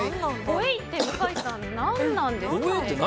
ホエイって、向井さん何なんですかね？